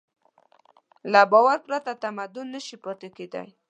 له باور پرته تمدن نهشي پاتې کېدی.